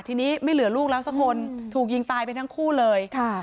ทีนี้ไม่เหลือลูกแล้วสักคนถูกยิงตายไปทั้งคู่เลยค่ะ